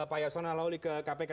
pak yasona lawli ke kpk